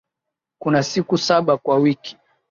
Kuna siku saba kwa wiki.